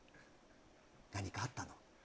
何かあったの？